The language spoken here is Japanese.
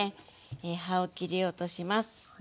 葉を切り落とします。